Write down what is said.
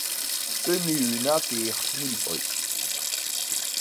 Тәыми ҩнатәи еихҭниҵоит!